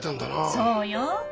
そうよ。